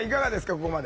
ここまで。